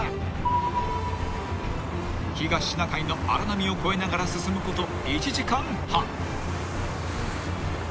［東シナ海の荒波を越えながら進むこと１時間半］